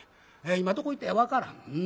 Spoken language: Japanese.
今どこ行ったんや分からん。